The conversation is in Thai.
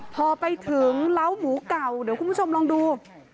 พอไปถึงเล้าหมูเก่าเดี๋ยวคุณผู้ชมลองดู